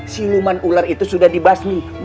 si luman ulernya itu sudah dibasmium